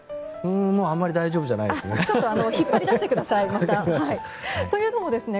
あまり大丈夫じゃないですね。